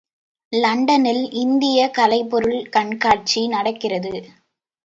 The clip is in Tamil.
லண்டனில் இந்தியக் கலைப்பொருள் கண்காட்சி நடக்கிறது.